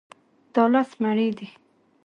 دا لس مڼې دي.